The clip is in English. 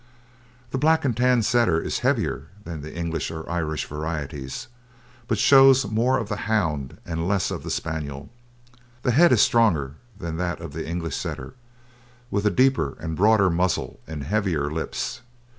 The Black and Tan Setter is heavier than the English or Irish varieties, but shows more of the hound and less of the Spaniel. The head is stronger than that of the English Setter, with a deeper and broader muzzle and heavier lips.